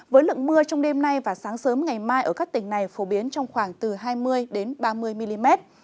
với lượng mưa trong đêm nay và sáng sớm ngày mai ở các tỉnh này phổ biến trong khoảng từ hai mươi ba mươi mm